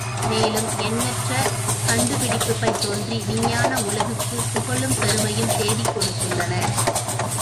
மேலும் எண்ணற்றக்கண்டு பிடிப்புக்கள் தோன்றி விஞ்ஞான உலகுக்கு புகழும், பெருமையும் தேடிக் கொடுத்துள்ளன.